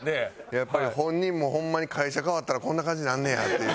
やっぱり本人もホンマに会社変わったらこんな感じになんねやっていう。